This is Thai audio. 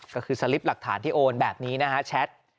ก็คือสลิปหลักฐานที่โอนแบบนี้นะฮะแชท